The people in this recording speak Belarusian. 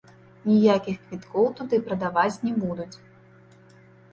Ніякіх квіткоў туды прадаваць не будуць.